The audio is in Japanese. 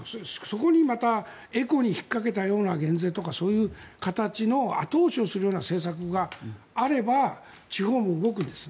そこにまたエコに引っかけたような減税とかそういう形の後押しをするような政策があれば地方も動くんです。